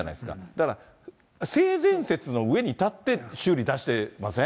だから、性善説の上に立って修理出してません？